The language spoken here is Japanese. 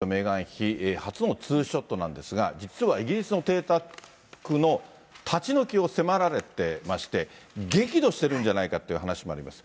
回顧録発売後、ヘンリー王子とメーガン妃、初のツーショットなんですが、実はイギリスの邸宅の立ち退きを迫られてまして、激怒してるんじゃないかっていう話もあります。